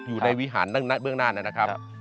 อยู่ในวิหารเบื้องนานนะครับ